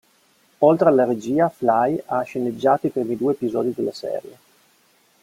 Oltre alla regia, Fly ha sceneggiato i primi due episodi della serie.